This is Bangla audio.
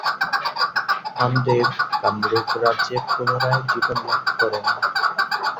কামদেব কামরূপ রাজ্যে পুনরায় জীবন লাভ করেন।